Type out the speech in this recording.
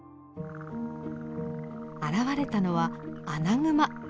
現れたのはアナグマ。